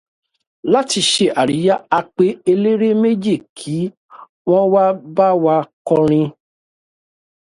Láti ṣe àríyá, a pe eléré méjì kí wọ́n wá bá wa kọrin.